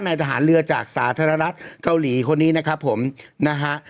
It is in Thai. ทหารเรือจากสาธารณรัฐเกาหลีคนนี้นะครับผมนะฮะ